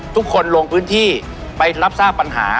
ลงพื้นที่ไปรับทราบปัญหา